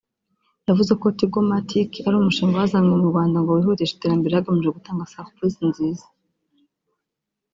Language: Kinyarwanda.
yavuze ko Tigo-Matic ari umushinga wazanywe mu Rwanda ngo wihutishe iterambere hagamijwe gutanga servisi nziza